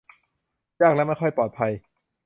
ยากและไม่ค่อยปลอดภัย